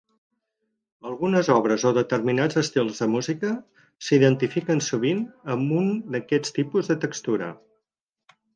Algunes obres o determinats estils de música s'identifiquen sovint amb un d'aquests tipus de textura.